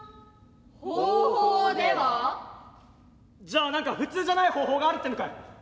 「じゃあ何か普通じゃない方法があるってのかよ！」。